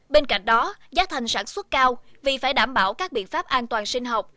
bên cạnh đó giá thành sản xuất cao vì phải đảm bảo các biện pháp an toàn sinh học